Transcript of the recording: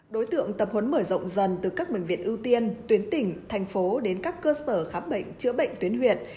đối tượng tập huấn mở rộng dần từ các bệnh viện ưu tiên tuyến tỉnh thành phố đến các cơ sở khám bệnh chữa bệnh tuyến huyện